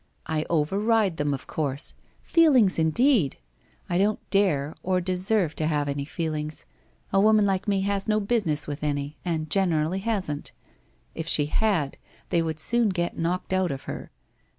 I over ride them, of course. Feelings indeed! I don't dare or deserve to have any feelings. A woman like me has no business with any, and generally hasn't. If she had, they would soon get knocked out of her.